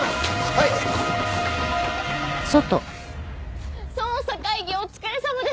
はい！捜査会議お疲れさまです！